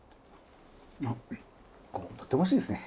あっこれとってもおいしいですね。